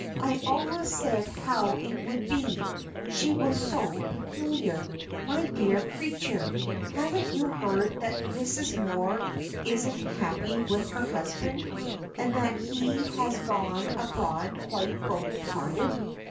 I always said how it would be, she was so peculiar. My dear creature, haven't you heard that Mrs. Moor isn't happy with her husband, and that he has gone abroad quite broken hearted?"